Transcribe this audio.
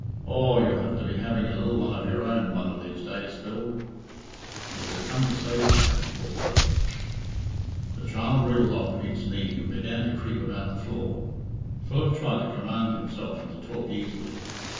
Aw, you'll have to be having a lil one of your own one of these days, Phil." "He has come to say something," thought Philip. The child wriggled off Pete's knee and began to creep about the floor. Philip tried to command himself and to talk easily.